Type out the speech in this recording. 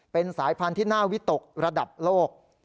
เป็นสายพันธุ์ที่น่าวิตกระดับโลก